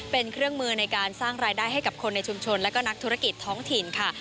เป็นเครื่องมือในการสร้างรายได้ให้กับคนในชุมชนและก็นักธุรกิจท้องถิ่นค่ะ